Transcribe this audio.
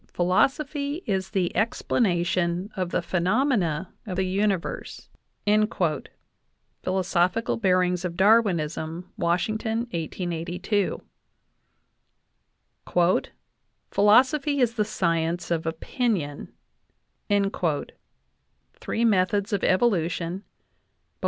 "Phil " osophy is the explanation of the phenomena of the universe" (Philosophical Bearings of Darwinism, Washington, 1882) ; "Philosophy is the science of opinion" (Three Methods of Evolution, Bull.